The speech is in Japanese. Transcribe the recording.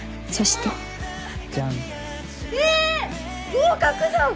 合格じゃん！